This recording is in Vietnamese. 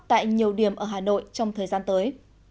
tại nhiều điểm ở hà nội trong thời gian tới